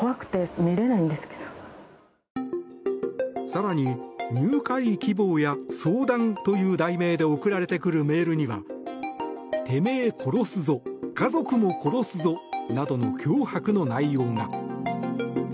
更に、入会希望や相談という題名で送られてくるメールにはてめえ殺すぞ家族も殺すぞなどの脅迫の内容が。